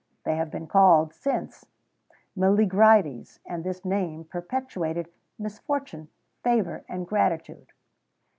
They have been called since, Meleagrides, and this name perpetuated "misfortune, favour, and gratitude."